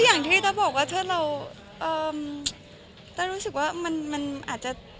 ก็อย่างที่เธอบอกว่าเธอเรารู้สึกว่ามันอาจจะ